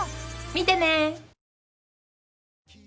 見てね！